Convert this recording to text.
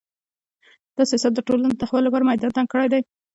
دا سیاست د ټولنې د تحول لپاره میدان تنګ کړی دی